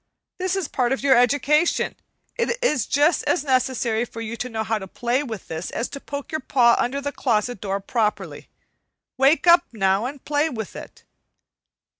This is a part of your education; it is just as necessary for you to know how to play with this as to poke your paw under the closet door properly. Wake up, now, and play with it."